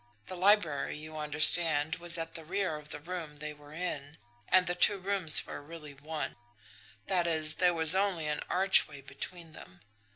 The library, you understand, was at the rear of the room they were in, and the two rooms were really one; that is, there was only an archway between them.